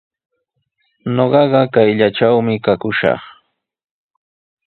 Ñuqaqa kayllatrawmi kakushaq.